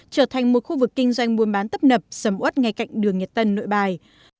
trở thành một khu vực kinh doanh buôn bán tấp nập sầm út ngay cạnh đường nhật tân nội bài